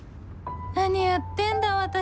何やってんだ私